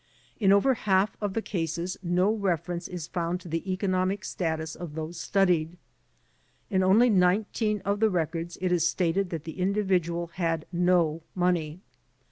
In over half of the cases no reference is found to the economic status of those studied. In only nineteen of the records is it stated that the individual had no money.